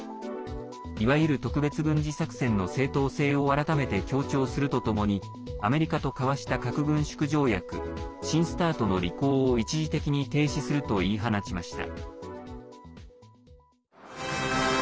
いわゆる特別軍事作戦の正当性を改めて強調するとともにアメリカと交わした核軍縮条約新ＳＴＡＲＴの履行を一時的に停止すると言い放ちました。